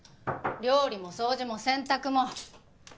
料理も掃除も洗濯も。